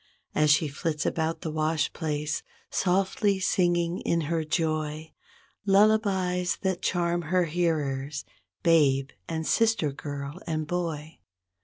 As she flits about the wash place, softly singing in her joy Lullabies that charm her hearers, babe and sister girl and boy.